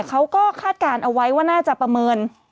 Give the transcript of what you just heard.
เขาก็คาดการณ์เอาไว้ว่าน่าจะประเมิน